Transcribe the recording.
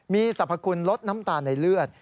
มีสรรพคุณลดน้ำตาลในเลือด